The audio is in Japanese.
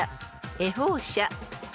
恵方社］